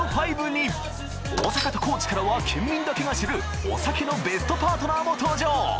ＢＥＳＴ５に大阪と高知からは県民だけが知るお酒のベストパートナーも登場！